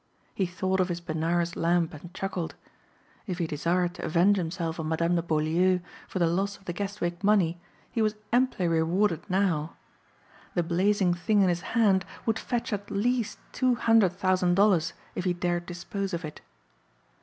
He thought of his Benares lamp and chuckled. If he desired to avenge himself on Madame de Beaulieu for the loss of the Guestwick money he was amply rewarded now. The blazing thing in his hand would fetch at least two hundred thousand dollars if he dared dispose of it.